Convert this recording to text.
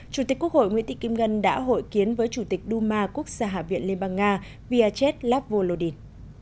chủ tịch quốc hội nguyễn thị kim ngân đã hội kiến với chủ tịch đu ma quốc gia hạ viện liên bang nga vyacheslavo lodin